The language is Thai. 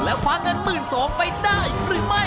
แล้วฟ้าเงินหมื่นสองไปได้หรือไม่